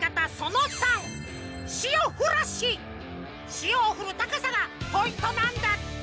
しおをふるたかさがポイントなんだって！